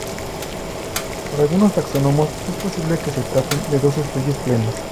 Para algunos taxónomos, es posible que se traten de dos especies plenas.